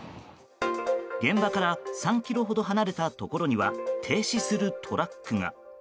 現場から３ｋｍほど離れたところには停止するトラックが。